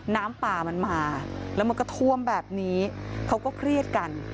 น้ำป่ามันมาแล้วมันก็ท่วมแบบนี้เขาก็เครียดกัน